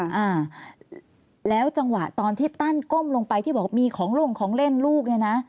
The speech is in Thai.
อ่าแล้วจังหวะตอนที่ตั้นก้มลงไปที่บอกมีของลงของเล่นลูกเนี่ยนะ